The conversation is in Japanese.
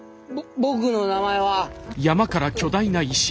僕の名前は。